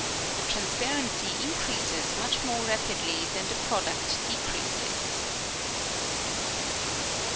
The transparency increases much more rapidly than the product de creases. 6.